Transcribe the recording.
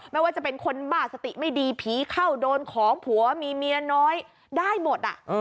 ไม่ว่าจะเป็นคนบ้าสติไม่ดีผีเข้าโดนของผัวมีเมียน้อยได้หมด